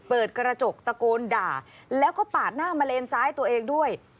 เปิดกระจกตะโกนด่าแล้วก็ปาดหน้ามาเลนซ้ายตัวเองด้วย